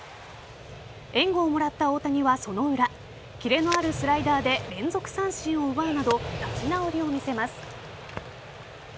援護をもらった大谷はその裏キレのあるスライダーで連続三振を奪うなど立ち直りを見せます。